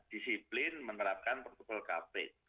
disiplin menerapkan protokol kp